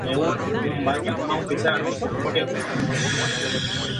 Varios vecinos del sector señalaron que la estructura se parecía a un castillo.